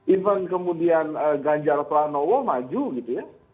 even kemudian ganjar pranowo maju gitu ya